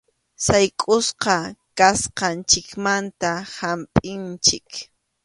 Saykʼusqa kasqanchikmanta humpʼinchik.